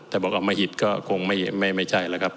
แต่บอกเอามาหิตก็คงไม่ใช่แล้วครับ